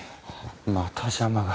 また邪魔が。